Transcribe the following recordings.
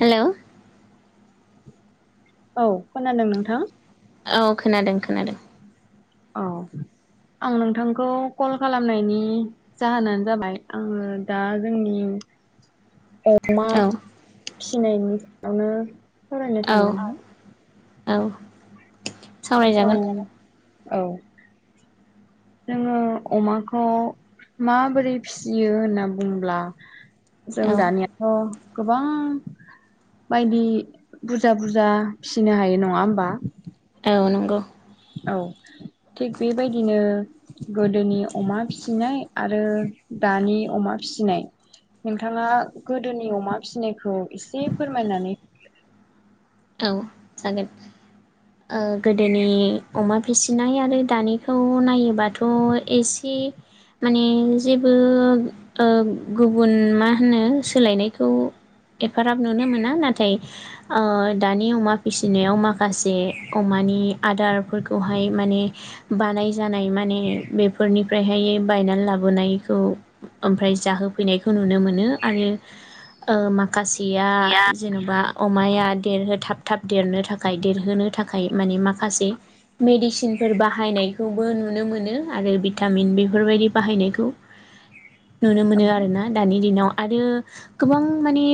हेल'! औ खोनादों नोंथां। औ खोनादों खोनादों औ। आं नोंथांखौ कल खालामनायनि जाहोनानो जाबाय आङो दा जोंनि औ। अमा फिसिनायनि सायावनो सावरायनो औ सानदोंहा औ सावरायजागोन। जों औ जोङो अमाखौ माबोरै फिसियो होनना बुंब्ला जों औ दानियाथ गोबां बायदि बुरजा बुरजा फिसिनो हायो नङा होमबा औ नंगौ। औ थिग बेबायदिनो गोदोनि अमा फिसिनाय आरो। दानि अमा फिसिनाय नोंथाङा गोदोनि अमा फिनायखौ एसे फोरमायनानै औ जागोन ओ गोदोनि अमा फिसिनाय आरो दानिखौ नायोबाथ एसे माने जेबो गुबुन मा होनो सोलायनायखौ एफाराब नुनो मोना नाथाय ओ दानि अमा फिसिनायाव माखासे अमानि आदारफोरखौहाय माने बानाय जानाय माने बेफोरनिफ्रायहाय बायना लाबोनायखौ ओमफ्राय जाहोफैनाय खौ नुनो मोनो आरो ओ माखासेया जेनबा अमाया देरहो थाब थाब देरनो थाखाय देरहोनो थाखाय माने माखासे मेडिसिन नफोर बाहायनायखौबो नुनो मोनो आरो भिटामिन बेफोरबायदि बाहायनायखौ नुनो औ मोनो आरो ना दानि दिनाव। आरो गोबां माने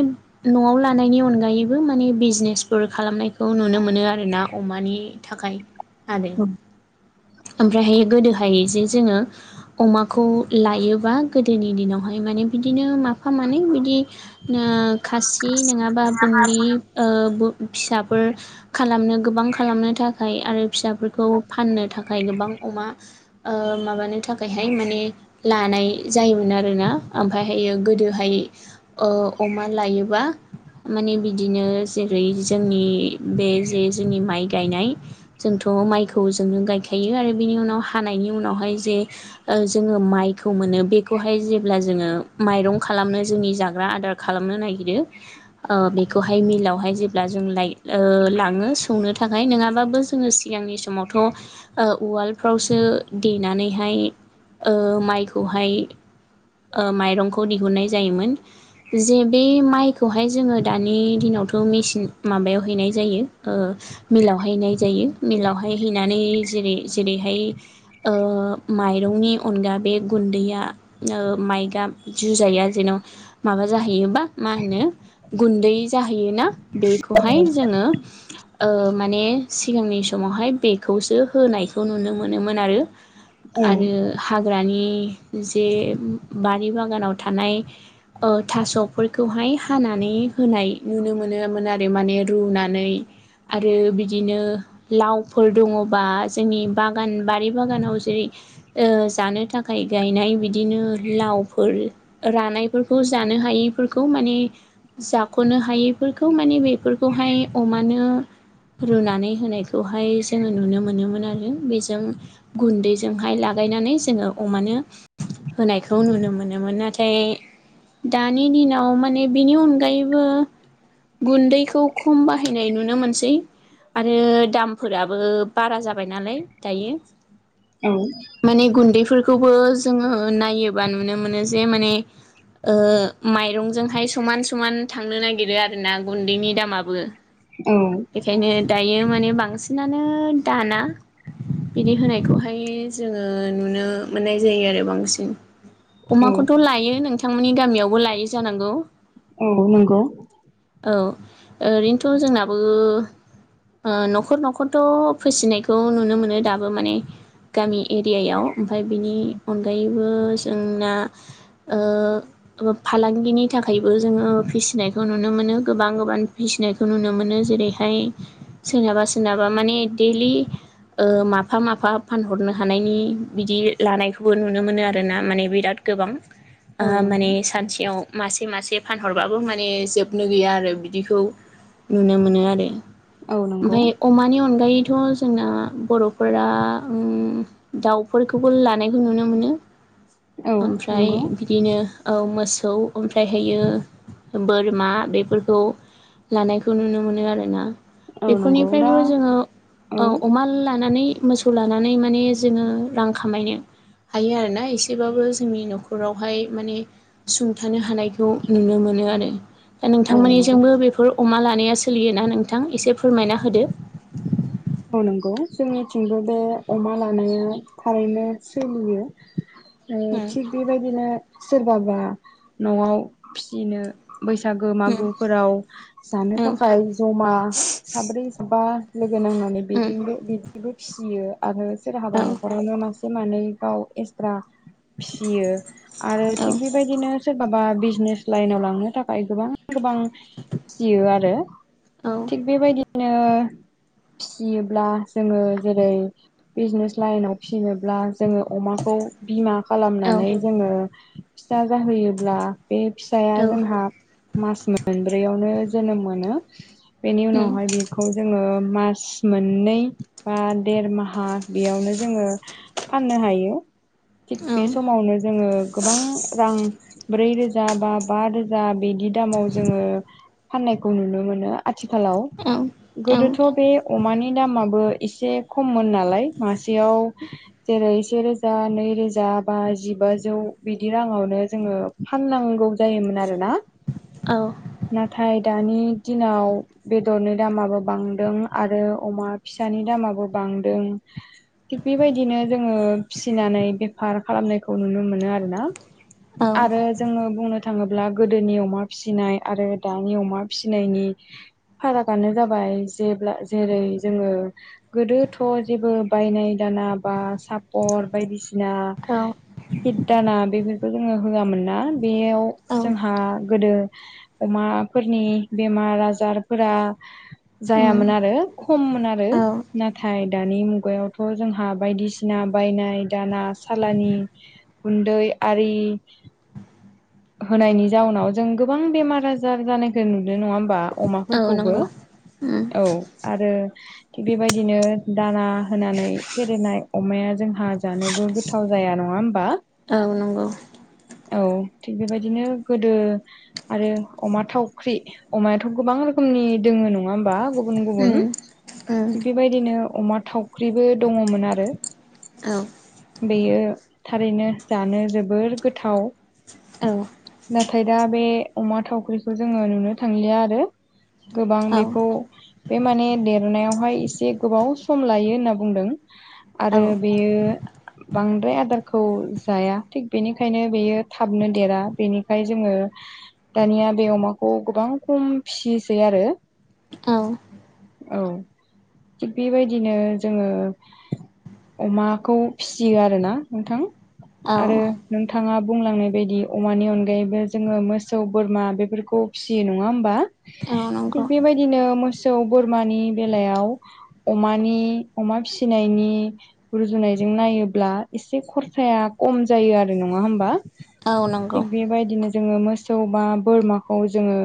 नआव लानायनि अनगायैबो माने बिज बिजनेसफोर खालामनायखौ नुनो मोनो आर ना अमानि थाखाय आरो ओमफ्रायहायो गोदो फाय जे जोङो अमाखौ लायोबा गोदोनि दिनावहाय माने बिदिनो मा फा मानै बिदि नो खासि नङाबा बुन्दि फिसाफोर खालामनो गोबां खालामनो थाखाय आरो फिसाफोरखौ फाननो थाखाय थाखाय गोबां अमा माबानो थाखायहाय माने लानाय जायोमोन आरोना ओमफायहायो गोदोहाय ओ अमा लायोबा माने बिदिनो जेरै जोंनि बे जे जोंनि माइ गायनाय जोंथ माइखौ जोंनो गायखायो खायो आरो बेनि उनाव हानायनि उनावहाय जे जोङो माइखौ मोन बेखौहाय जेब्ला ज जोंङो माइरं खालामनो जोंनि जाग्रा आदार खालामनो नाइगिरो ओ बेखौहाय मिलाव हाय जेब्ला जों लाइ ओ लाङो सौनो थाखाय नङाबाबो जोङो सिगांनि समावथ ओ उवालफ्रावसो देनानैहाय ओ माइखौहाय माइरंखौ दिहुननाय जायोमोन जे बे माइखौहाय जोङो दानि दिनाव थ मेसिन माबायाव हैनाय जायो ओ मिलावहाय हैनाय जायो मिलावहाय हैनानै जेरै जेरैहाय ओ माइरंनि अनगा बे गुन्दैया ओ माइगाब जुजाया जेन माबा जाहैयोबा मा होनो गुन्दै जाहैयोना बेखौहाय जोङो ओ माने सिगांनि समावहाय बेगखौसो होनायखौ नुनो मोनोमोन आरो आरो हाग्रानि जे बारि बागानाव थानाय ओ थासफोरखौ हाय हा नानै होनाय नुनो मोनोमोन आरो माने रुनानै आरो बिदिनो लावफोर दङबा जोंनि बागान बारि बागानाव जेरै ओ जानो थाखाय गायनाय बिदिनो लावफोर रानायफोरखौ जानो नो हारिफोरखौ माने जाख'नो हायि बेफोरखौ माने बेफोरखौहाय अमानो रुनानै होनायखौहाय जोङो नुनो मोनोमोन आरो बेजों गुन्दैजोंहाय लाग गायनानै जोङो अमानो होनायखौ नुनो मोनोमोन नाथाय दानि दिनाव माने बिनि अनगायैबो गुन्दैखौ खुमबा बाहायनाय नुनो मोनसै आरो दामफोराबो बारा जाबाय नालाय दायो औ माने गुन्दैफोरखौबो जोङो नायोबा नुनो मोनो जे माने ओ माइरंजोंहाय समान समान थांनो नागिरो आरो ना गुन्दैनि दामाबो औ बेखायनो दायो माने बांसिनानो दाना बिदि होनायखौहाय जोङो नु नो मोननाय जायो आरो बांसिन औ अमाखौथ' लायो नोंथांमोननि गामियावबो लायो जानांगौ औ नंगौ औ ओरैनोथ' जोंनाबो ओ न'खर न'खरथ' फिसिनायखौ नुनो मोनो दाबो माने गामि एरियायाव ओमफ्राय बेनि अनगायैबो जोंना ओ ओ फालांगिनि थाखायबो जोङो फिसिनायखौ नु नुनो मोनो गोबां गोबां फिसिनायखौ नुनो मोनो जेरैहाय सोरनाबा सोरनाबा माने दि लि ओ माफा माफा फानहरनो हानायनि बिदि लानायखौबो नुनो मोनो आरोना माने बिराद गोबां औ ओ नंगौ माने सानसेयाव मासे मासे फानहरबाबो माने जोब नो गैया आरो बिदिखौ नुनो मोनो आरो ओमफ्राय अमानि अनगायै थ' जोंना बर'फोरा ओम दाउफोरखौबो लानायखौ नुनो मोनो औ ओमफ्राय नंगौ बिदिनो औ मोसौ ओमफ्रायहायो बोरमा बेफोरखौ लानायखौ नुनो मोनो आरोना औ नंगौ दा बेफोरनिफ्रायबो जोङो औ ओ अमा लानानै मोसौ लानानै माने जोङो रां खामायनो हायो आरोना एसेबाबो जोंनि न'खरावहाय माने सुंथानो हानाय खौ नुनो मोनो आरो दा नोंथां औ नंगौ मोननिथिंबो बेफोर अमा ला नाया सोलियोना नोंथां एसे फोरमायना होदो औ नंगौ जोंनिथिंबो बे अमा लानाया थारैनो सोलियो उम ओ थिग बेबायदिनो सोरबाबा न'आव फिसिनो बैसागो मागोफोराव औ जानो थाखाय जमा साब्रै बा लोगो नांनानै उम बिदिबो बिदिबो फिसियो आरो औ सोरहाबा नखरावनो मानसि मानै गाव एसट्रा फिसियो आरो औ थिग बेबायदिनो सोरबाबा बिजनेस लाइनाव लांनो थाखाय गोबां गोबां फिसियो आरो औ थिग बेबायदिनो फिसियोब्ला जोङो जेरै बिजनेस लाइनाव फिसिनोब्ला जोङो अमाखौ बिमा औ खालामनानै जोङो फिसा जाहोयोब्ला बे फिसाया औ जोंहा मास मोनब्रैयावनो जोनोम मोनो बेनि उम उनावहाय बेखौ जोङो मास मोननै बा देर माहा बेयावनो जोङो फाननो हायो थिग औ बे औ समावनो जोङो गोबां रां ब्रै रोजा बा-बा रोजा बिदि दामाव जोङो फाननाय नायखौ नुनो मोनो आथिखालाव औ गोदोथ' बे अमानि दामाबो एसे खममोन नालाय मासेयाव जेरै से रोजा नै रो नै रोजा बा जिबाजौ बिदि राङावनो जोङो फाननांगौ जायोमोन आरोना औ ओमफ्राय दानि दिनाव बेदरनि दामाबो बांदों आरो अमा फिसानि दामाबो बांदों थिग बेबायदिनो जोङो फिसिनानै नाय नुनो मोनोना आरो जोनो बुंनो थाङोब्ला गोदोनि अमा फिसिनाय आरो दानि अमा फिसिनायनि फारागानो जाबाय जेब्ला जेरै जोङो गोदोथ' जेबो बायनाय दाना बा सापर बायदिसि ना औ दाना बेफोरखौ जोङो होआमोनोना बेयाव औ जोंहा गोदो अमाफोर नि बेमार आजारफोरा उम जायामोन आरो खममोन आरो औ नाथाय दानि मुगायावथ' जोंहा बायदिसिना बायनाय दाना सालानि गुन्दै आ रि होनायनि जाउनाव जों गोबां बेमार आजार जानायखौ नुदों नङा होमबा औ अमाफोरखौबो नंगौ उम औ आरो थिग बेबायदिनो दाना होनानै फेरेनाय अमाया जोंहा जानोबो गोथाव जायो जाया नङा होनबा औ नंगौ औ थिग बेबायदिनो गोदो आरो अमा थावख्रि अमायाथ' गोबां रोखोमनि दङ नङा होनबा गुबुन गुबुन उम उम बेबायदिनो अमा थावख्रिबो दङमोन आरो औ बेयो थारैनो जानो जोबोर गोथाव नाथाय दा बे अमा थावख्रिखौ जोङो नुनो थांलिया आरो गोबां बेखौ बे माने देरनायावहाय एसे गोबाव सम लायो होनना बुंदों आरो औ बेयो बांद्राय आदारखौ जाया थिग बेनिखायनो बेयो थाब नो देरा बेनिखायनो जोङो दानिया बे अमाखौ गोबां खम फियोसो आरो। औ औ थिग बेबायदिनो जोङो अमाखौ फिसियो आरो ना नोंथां आरो औ नोंथाङा बुंलांनो बेबायदि अमानि अनगायैबो जोङो मोसौ बोरमा बेफोरखौ फिसियो नङा होमबा। थिग नंगौ बेबायदिनो मो सौ बोरमानि बेलायाव अमानि अमा फिसिनायनि रुजुनाय जों नायोब्ला एसे खरसाया खम जायो आरो नङा होमबा। औ नंगौ थिग बेबायदिनो जोङो मोसौ बा बोरमाखौ जोङो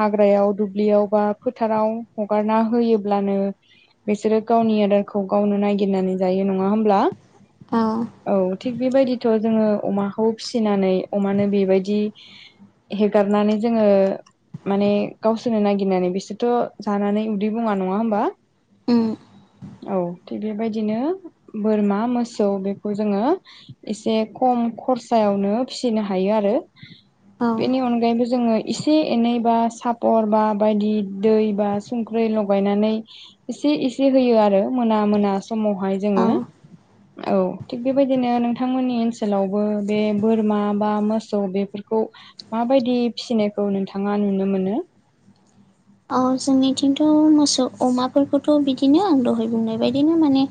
हाग्रायाव दुब्लियाव बा फोथाराव हार हगारना होयोब्लानो बिसोरो गावनि आदारखौ गावनो ननायागिरनानै जायो नङा होमब्ला। औ औ थिग बेबायदिथ' जोङो अमाखौ फिसिनानै अमानो बेबायदि हेगारनानै जोङो माने गावसोरनो नागिरनानै बिसोरथ' जानानै उदै बुङा नङा होमबा। उम औ थिग बेबायदिनो बोरमा मोसौ बेखौ जोङो एसे खम खरसायावनो फिसिनो हायो आरो बेनि अनगायैबो जोङो एसे एनै बा सापर बा बायदि दै बा संख्रोय लगायनानै इसे इसे होयो आरो मोना मोना समावहाय औ जोङो औ थिग बेबायदिनो नोंथांमोननि ओनसोलावबो बे बोरमा बा मोसौ बेफोरखौ माबायदि फिसिनायखौ नोंथाङा नुनो मोनो। औ जोंनिथिंथ' मोसौ अमाफोरखौथ' बिदिनो आं दहाय बुंनाय बायदिनो माने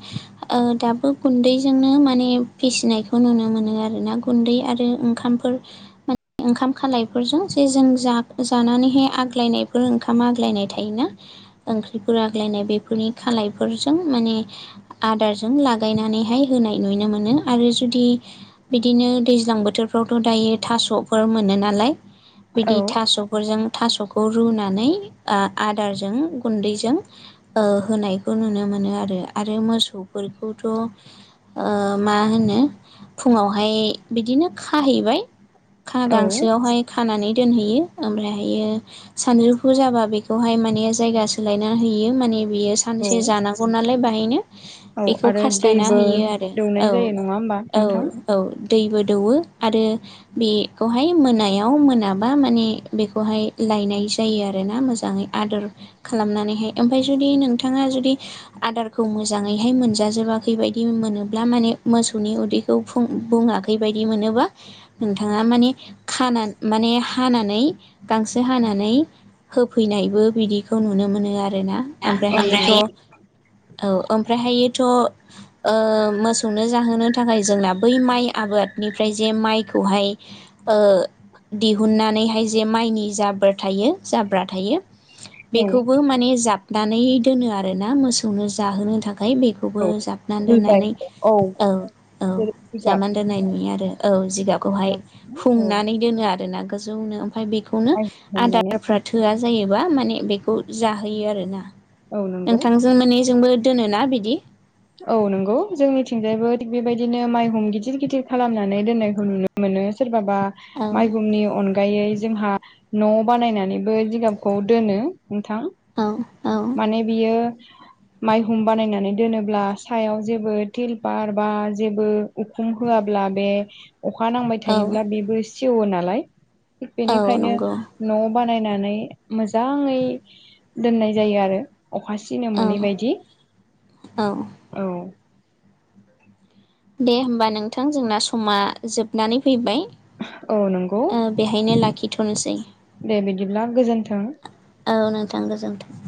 दाबो गुन्दैजोंनो माने फिसिनायखौ नुनो मोनो आरो ना गुन्दै आरो ओंखाम। ओंखाम खालायफोरजों जे जों जानानैहाय आग्लायनायफोर ओंखाम ओंखाम आग्लायनाय थायोना ओंख्रिफोर आग्लायनाय बेफोरनि खालायफोरजों माने आदारजों लाायनानैहाय होनाय नुनो मोनो। आरो जुदि बिदिनो दैज्लां बोथोरफ्राव थ' दायो थास'फोर मोनो नालाय। औ बिदि थास'फोरजों थास'खौ रुनानै आदारजों गुन्दैजों होनायखौ नुनो मोनो आरो। आरो मोसौ बेफोरखौथ' मा होनो फुङावहाय बिदिनो खाहैबाय। औ गांसोआवहाय खानानै दोनहैयो ओमफ्राययो सानजुफु फुं जाबा बेखौहाय माने जायगा सोलायना होयो माने बियो औ सानसे जानांगौ नालाय बेाहायनो औ बेखौ आरो खास्लायना दैबो होयो। बियो आरो दौनाय औ जायो नङा होमबा औ नोंथां औ दैबो दौवो आरो बेखौहाय मोनायाव मोनाबा माने बेखौहाय लायनाय जायो आरोना मोजाङै आदोर खालामनानैहाय। ओमफ्राय जुदि नोंथाङा जुदि आदारखौ मोजाङैहाय मोनजाजोबाखै बायदि मोनोब्ला माने मोसौनि उदैखौ बुङाखै बायदि मोनो मोनोबा नोंथाङा माने खानानै माने हानानै गांसो हानानै होफैनायबो बिदिखौ नुनो मोनो आरोना। ओमफ्राय हायथ' औ ओमफ्राय हायथ' ओ मोसौनो जाहोनो थाखाय जोंना बै माइ आबादनिफ्राय जे माइखौहाय दिहुननानैहाय जे माइनि जाबोर थायो। जाब्रा थायो औ बेखौबो माने जाब नानै दोनो आरो ना मोसौनो जाहोनो थाखाय। ओमफ्राय बेखौबो औ जाबना दै दोननानै जायो औ औ जेरै जिगाब जाबनानै दोननाय नुयो आरो। औ जिगाबखौहाय औ हुंनानै दोनो आरोना गोजौनो ओमफ्राय बेखौनो माइ आदार होननानै आदारफ्रा थोआ जायोबा माने बेखौ जाहोयो आरोना औ नंगौ नोंथांजों माने जोंबोर दोनोना बिदि? औ नंगौ जोंनिथिंजायबो थिग बेबायदिनो माइहुम गिदिर गिदिर खालामनानै दोननायखौ नुनो मोनो सोरबा औ सोरबा माइहुमनि अनगायै जोंहा न' बानायनानैबो जिगाबखौ दोनो। नोंथां,, औ! औ माने बियो,,, माइहुम बानायनानै दोनोब्ला सायाव जेबो तिलपार बा जेबो उखुम,,, होआबोला बे,, अखा नांबाय औ थायोब्ला बेबो सेवो नालाय थिग औ बेनिखायनो नंगौ न,,,,, ' बानायनानै मोजाङै दोननाय जायो आरो। अखा सिनो औ मोनै बायदि। औ! दे होमबा नोंथां जोंना समा जोबनानै फैबाय। औ नंगौ बेहायनो लाखिथ'नोसै। दे बिदिब्ला गोजोन्थों औ नोंथां गोजोन्थों।